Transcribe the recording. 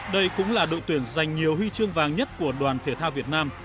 đây cũng là đội tuyển giành nhiều huy chương vàng nhất của đoàn thể thao việt nam